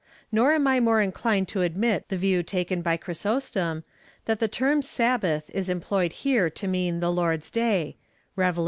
Nor am I more inclined to admit the view taken by Chrysostom — that the term Sabbath is em ployed here to mean the Lord's day, (Rev. i.